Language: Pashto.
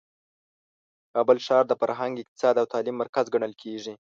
کابل ښار د فرهنګ، اقتصاد او تعلیم مرکز ګڼل کیږي.